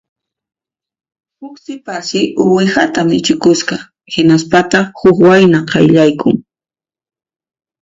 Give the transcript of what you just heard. Huk sipassi uwihata michikusqa; hinaspataq huk wayna qayllaykun